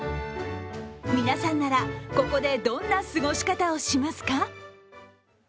皆さんなら、ここでどんな過ごし方をしますか。